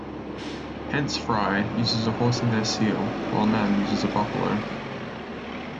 Hence Phrae uses a horse in their seal, while Nan uses a buffalo.